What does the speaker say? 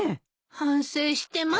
反省してます。